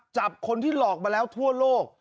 จับคนที่หลอกมาแล้วทั่วโลก